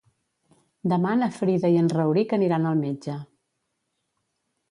Demà na Frida i en Rauric aniran al metge.